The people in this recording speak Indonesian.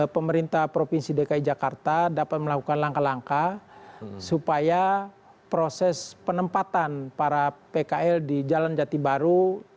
pemerintah provinsi dki jakarta dapat melakukan langkah langkah supaya proses penempatan para pkl di jalan jati baru